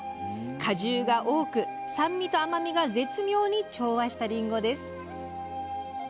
果汁が多く、酸味と甘みが絶妙に調和した、りんごです。